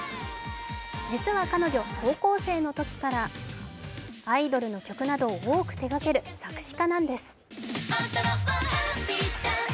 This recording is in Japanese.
実は彼女、高校生のときからアイドルの曲などを多く手がける作詞家なんです。